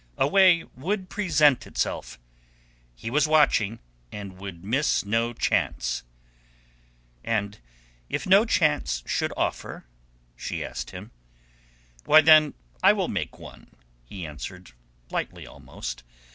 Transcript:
A way would present itself. He was watching, and would miss no chance. "And if no chance should offer?" she asked him. "Why then I will make one," he answered, lightly almost.